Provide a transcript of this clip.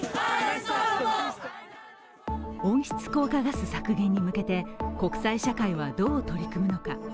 温室効果ガス削減に向けて国際社会はどう取り組むのか。